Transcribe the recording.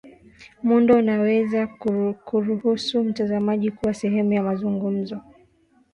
muundo unaweza kuruhusu mtazamaji kuwa sehemu ya mazungumzo